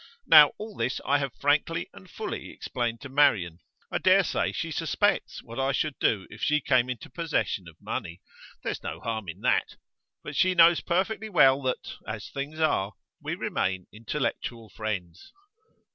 Now all this I have frankly and fully explained to Marian. I dare say she suspects what I should do if she came into possession of money; there's no harm in that. But she knows perfectly well that, as things are, we remain intellectual friends.